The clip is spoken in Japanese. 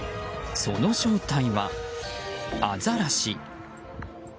その正体は、アザラシ。